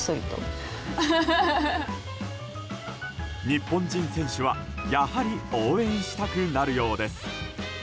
日本人選手はやはり応援したくなるようです。